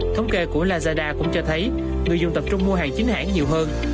thống kê của lazada cũng cho thấy người dùng tập trung mua hàng chính hãng nhiều hơn